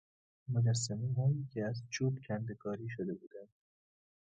مجسمههایی که از چوب کنده کاری شده بودند